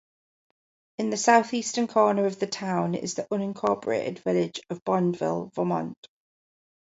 In the southeastern corner of the Town is the unincorporated village of Bondville, Vermont.